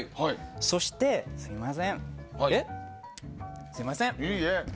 そして、すみません！